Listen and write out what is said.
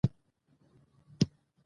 اقلیم د افغانستان د انرژۍ سکتور برخه ده.